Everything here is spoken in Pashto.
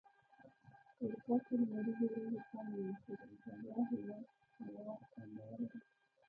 په اروپا کي لمريزي ورځي کمی وي.خو د ايټاليا هيواد هوا خوندوره ده